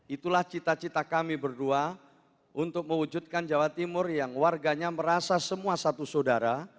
itulah cita cita kami berdua untuk mewujudkan jawa timur yang warganya merasa semua satu saudara